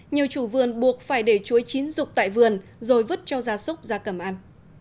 nhiều chủ vườn buộc phải để chuối chín rục tại vườn rồi vứt cho gia súc gia cầm ăn